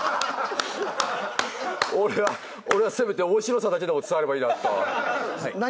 俺はせめて面白さだけでも伝わればいいなとは。